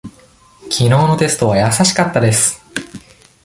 きのうのテストは易しかったです。